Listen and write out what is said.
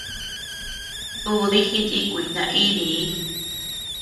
Dudi jiníkuy naídii.